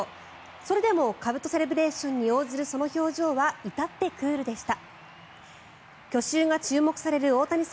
それでもかぶとセレブレーションに応じるその表情は至ってクールでした。